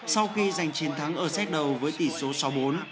sau khi giành chiến thắng ở xét đầu với tỷ số sáu bốn